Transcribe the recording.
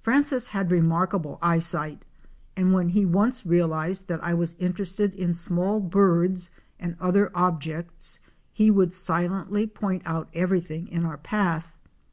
Francis had remarkable eyesight, and when he once real ized that I was interested in small birds and other objects he would silently point out everything in our path.